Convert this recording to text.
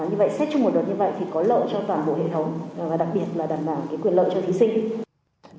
như vậy xét chung một đợt như vậy thì có lợi cho toàn bộ hệ thống và đặc biệt là đảm bảo quyền lợi cho thí sinh